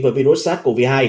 với virus sars cov hai